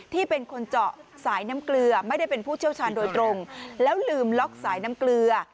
ที่เป็นคนเจาะสายน้ำเกลือไม่ได้เป็นผู้เชี่ยวชาญโดยตรงแล้วลืมล็อกสายน้ำเกลือ